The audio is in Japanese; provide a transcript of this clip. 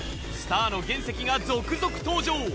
スターの原石が続々登場。